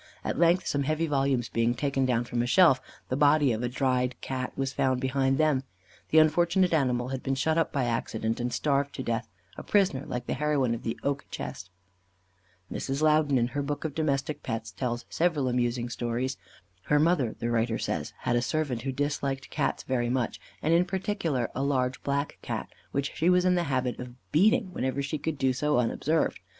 At length some heavy volumes being taken down from a shelf, the body of a dried Cat was found behind them. The unfortunate animal had been shut up by accident, and starved to death, a prisoner, like the heroine of the "Oak Chest." Mrs. Loudon, in her book of Domestic Pets, tells several amusing stories. Her mother, the writer says, had a servant who disliked Cats very much, and in particular a large black Cat, which she was in the habit of beating, whenever she could do so unobserved.